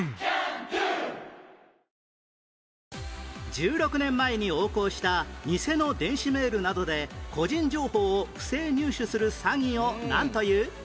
１６年前に横行したニセの電子メールなどで個人情報を不正入手する詐欺をなんという？